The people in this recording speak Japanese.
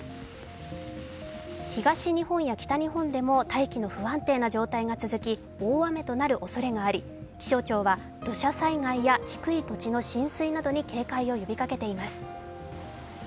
東日本や北日本でも大気の不安定な状態が続き大雨となるおそれがあり、気象庁は土砂災害や低い土地の浸水などに警戒を呼びかけています。